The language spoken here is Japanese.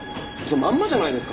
まんまじゃないですか。